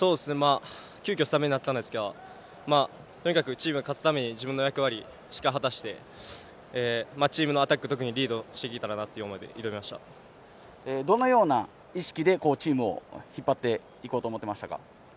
急きょスタメンになったんですがとにかくチームが勝つため自分の役割をしっかり果たしてチームのアタック特にリードしていけたらなというどのような意識でチームを引っ張っていこうと思いましたか。